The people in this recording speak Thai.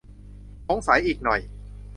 สงสัยอีกหน่อย